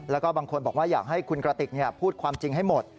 แล้วก็บางคนบอกว่าอยากให้คุณกระติกพูดความจริงให้หมด